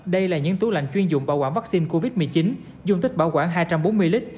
đây là những tủ lạnh chuyên dụng bảo quản vaccine covid một mươi chín dung tích bảo quản hai trăm bốn mươi lít